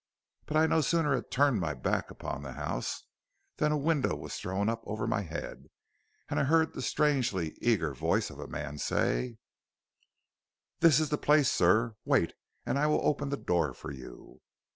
But no sooner had I turned my back upon the house, than a window was thrown up over my head and I heard the strangely eager voice of a man say: "'This is the place, sir. Wait, and I will open the door for you.'